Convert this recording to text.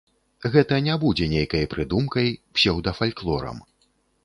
Гэта не будзе нейкай прыдумкай, псеўдафальклорам.